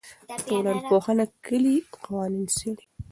ټولنپوهنه کلي قوانین څېړي.